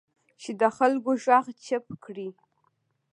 چې د خلکو غږ چپ کړي